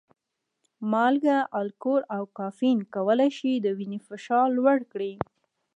مالګه، الکول او کافین کولی شي د وینې فشار لوړ کړي.